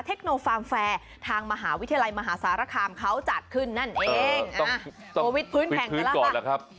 เทคโนฟาร์มแฟร์ทางมหาวิทยาลัยมหาสารคามเขาจัดขึ้นนั่นเองโควิดพื้นแผ่นกันแล้วกัน